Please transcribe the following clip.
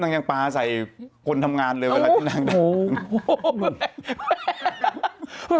ฉันคือพี่ช่อง๙อะตอนนั้นนะ